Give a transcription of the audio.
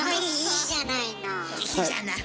いいじゃない！